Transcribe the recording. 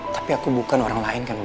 tapi aku bukan orang lain kan